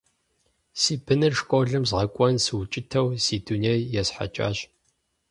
Си быныр школым згъэкӀуэн сыукӀытэу си дунейр есхьэкӀащ.